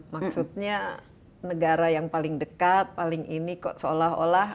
maksudnya negara yang paling dekat paling ini kok seolah olah